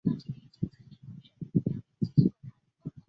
介贵山蹄盖蕨为蹄盖蕨科蹄盖蕨属下的一个变种。